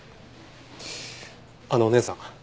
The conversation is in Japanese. あのお姉さん。